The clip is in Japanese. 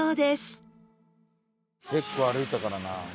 結構歩いたからな。